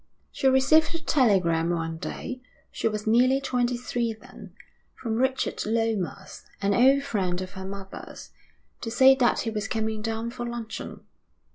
She received a telegram one day she was nearly twenty three then from Richard Lomas, an old friend of her mother's, to say that he was coming down for luncheon.